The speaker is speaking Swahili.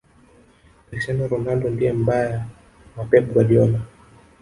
cristiano ronaldo ndiye mbaya wa pep guardiola